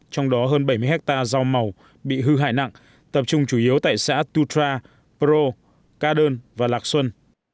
trong đó hơn bảy mươi hectare rau màu bị hư hại nặng tập trung chủ yếu tại xã tutra pro ca đơn và lạc xuân